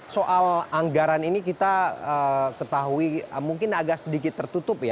soal anggaran ini kita ketahui mungkin agak sedikit tertutup ya